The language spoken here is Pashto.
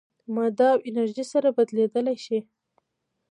ماده او انرژي سره بدلېدلی شي.